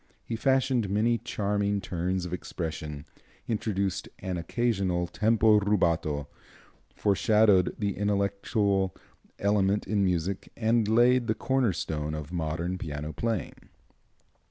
He fashioned many charming turns of expression, introduced an occasional tempo rubato, foreshadowed the intellectual element in music and laid the corner stone of modern piano playing.